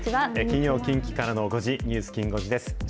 金曜近畿からの５時、ニュースきん５時です。